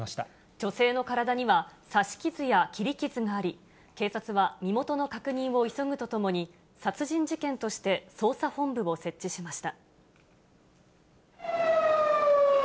女性の体には刺し傷や切り傷があり、警察は身元の確認を急ぐとともに、殺人事件として捜査本部を設置しました。